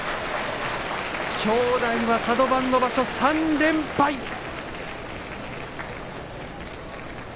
正代、カド番の場所、３連敗です。